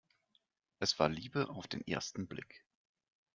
Es war Liebe auf den ersten Blick.